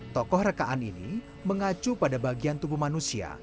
tokoh rekaan ini mengacu pada bagian tubuh manusia